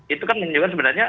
itu kan menunjukkan sebenarnya